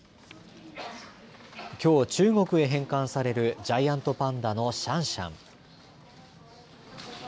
きょう中国へ返還されるジャイアントパンダのシャンシャン。